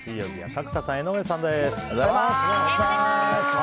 水曜日は角田さん、江上さんです。